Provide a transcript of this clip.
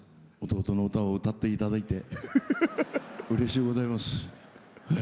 弟の歌を歌っていただいてうれしゅうございます。